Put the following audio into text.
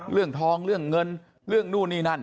เรื่องทองเรื่องเงินเรื่องนู่นนี่นั่น